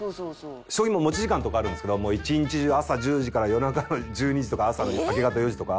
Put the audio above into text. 将棋も持ち時間とかあるんですけど一日中朝１０時から夜中の１２時とか朝の明け方４時とか。